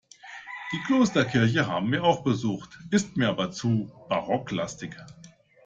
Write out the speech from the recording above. Die Klosterkirche haben wir auch besucht, ist mir aber zu barocklastig.